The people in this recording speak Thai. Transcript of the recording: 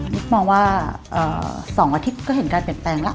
มองว่า๒อาทิตย์ก็เห็นการเปลี่ยนแปลงแล้ว